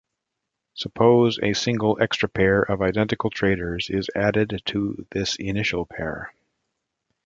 Suppose a single extra pair of identical traders is added to this initial pair.